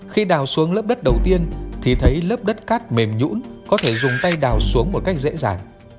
khi đào xuống lớp đất đầu tiên thì thấy lớp đất cát mềm nhũ có thể dùng tay đào xuống một cách dễ dàng